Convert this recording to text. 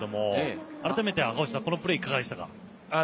改めてこのプレー、いかがでしたか？